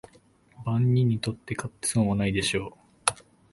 万人にとって買って損はないでしょう